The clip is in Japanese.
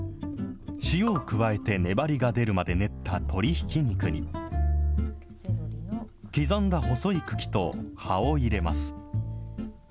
塩を加えて粘りが出るまで練った鶏ひき肉に、刻んだ細い茎と葉を入れます。